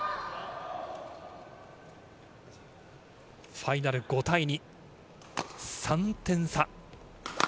ファイナル５対２、３点差。